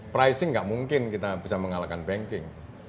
pricing nggak mungkin kita bisa mengalahkan banking